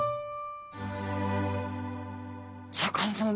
シャーク香音さま